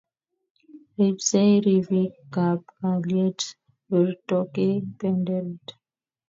Ribsei ripikab kalyet, birtokei benderet